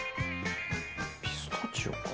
ピスタチオか。